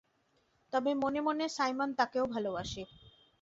তবে মনে মনে সাইমন তাকেও ভালোবাসে।